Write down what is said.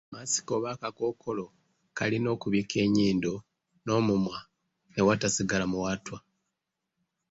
Masiki oba akakookolo kalina okubikka ennyindo n’omumwa ne watasigala muwaatwa.